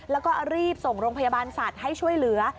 แล้วก็รีบส่งโรงพยาบาลสัตว์ให้ช่วยเหลือ